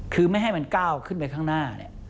คือไม่ให้มันก้าวขึ้นไปข้างหน้า